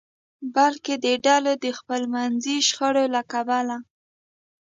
بلکې د ډلو د خپلمنځي شخړو له کبله.